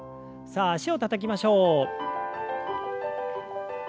さあ脚をたたきましょう。